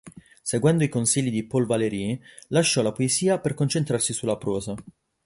Seguendo i consigli di Paul Valéry, lasciò la poesia per concentrarsi sulla prosa.